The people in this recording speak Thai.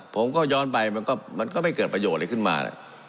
ผมก็ย้อนไปมันก็ไม่เกิดประโยชน์อะไรขึ้นมา